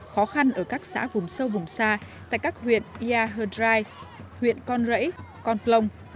khó khăn ở các xã vùng sâu vùng xa tại các huyện yà hờ đrai huyện con rẫy con plông